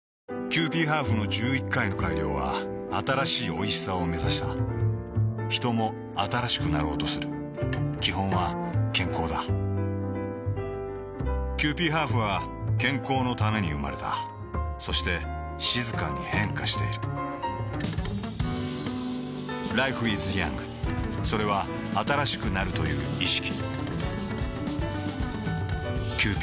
キユーピーハーフの１１回の改良は新しいおいしさをめざしたヒトも新しくなろうとする基本は健康だキユーピーハーフは健康のために生まれたそして静かに変化しているＬｉｆｅｉｓｙｏｕｎｇ．それは新しくなるという意識